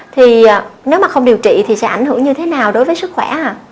thì nếu mà không điều trị thì sẽ ảnh hưởng như thế nào đối với sức khỏe